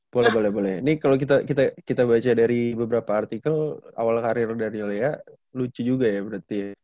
boleh boleh ini kalau kita baca dari beberapa artikel awal karir dari lea lucu juga ya berarti ya